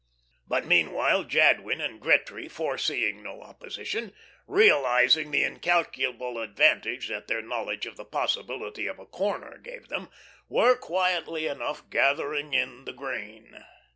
But meanwhile Jadwin and Gretry, foreseeing no opposition, realising the incalculable advantage that their knowledge of the possibility of a "corner" gave them, were, quietly enough, gathering in the grain.